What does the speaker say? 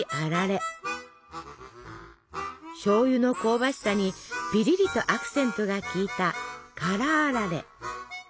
しょうゆの香ばしさにぴりりとアクセントが効いた「辛あられ」。